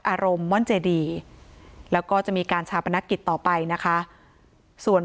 อารมณ์ม่อนเจดีแล้วก็จะมีการชาปนกิจต่อไปนะคะส่วน